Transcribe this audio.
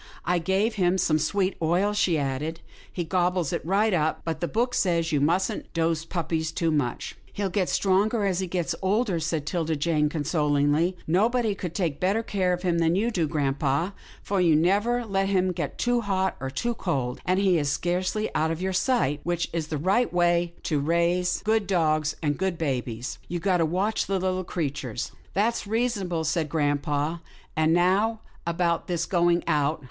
" I gave him some sweet oil," he said, " he gobbles it right up, but the book says you mustn't dose puppies too much." " He'll get stronger as he grows older," said 'Tilda Jane consolingly, " nobody could take better care of him than you do, grampa, for you never let him get too hot or too cold, and he is scarcely out of your sight, which is the right way to raise MORE ABOUT THE PUP 129 good dogs and good babies. You've got to watch the Httle creatures." " That's reasonable," said grampa, " and now about his going out.